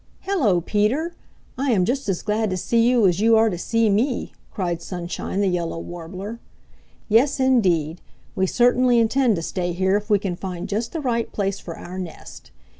"Hello, Peter! I am just as glad to see you as you are to see me," cried Sunshine the Yellow Warbler. "Yes, indeed, we certainly intend to stay here if we can find just the right place for our nest.